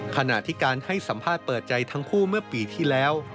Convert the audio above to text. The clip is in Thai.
ขณะที่การให้สัมภาษณ์เปิดใจทั้งคู่เมื่อปีที่แล้ว